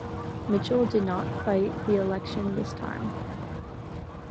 Mitchell did not fight the election this time.